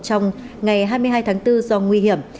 trong ngày hai mươi hai tháng bốn do nguy hiểm